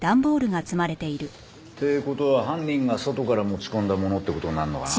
って事は犯人が外から持ち込んだものって事になるのかな？